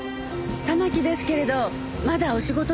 たまきですけれどまだお仕事中ですか？